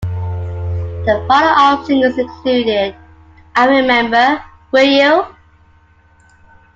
The follow-up singles included "I Remember", "Will You?